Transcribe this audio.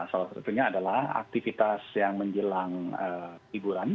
salah satunya adalah aktivitas yang menjelang hiburan